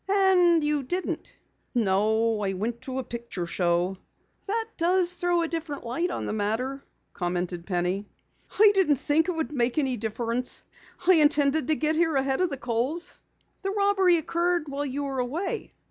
"And you didn't?" "No, I went to a picture show." "That does throw a different light on the matter," commented Penny. "I didn't think it would make any difference. I intended to get here ahead of the Kohls." "The robbery occurred while you were away?"